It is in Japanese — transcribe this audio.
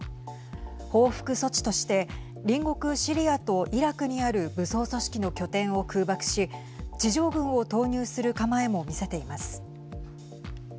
報復措置として隣国シリアとイラクにある武装組織の拠点を空爆し地上軍を投入する構えも見せています。